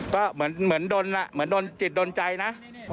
ก็เหมือนโดนจิตโดนใจนะ